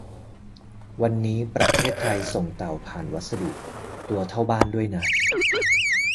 วันนี้ประเทศไทยส่งเต่าผ่านพัสดุ ตัวเท่าบ้านด้วยนะ